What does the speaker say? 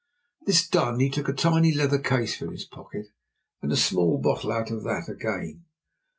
This done, he took a tiny leather case from his pocket and a small bottle out of that again.